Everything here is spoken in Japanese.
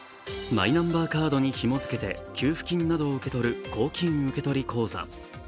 マイナンバーにひも付けて給付金などを巡る公金受取口座。